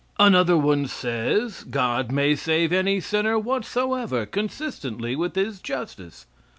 Another one says God may save any sinner whatsoever, consistently with his justice.